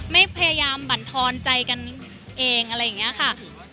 ไม่พยายามบรรทอนใจกันเองอะไรอย่างนี้ค่ะ